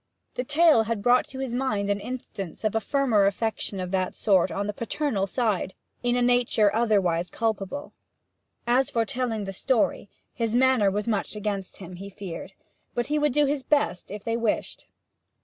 The tale had brought to his mind an instance of a firmer affection of that sort on the paternal side, in a nature otherwise culpable. As for telling the story, his manner was much against him, he feared; but he would do his best, if they wished.